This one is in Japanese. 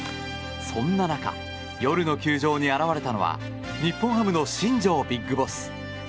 そんな中、夜の球場に現れたのは日本ハムの新庄ビッグボス。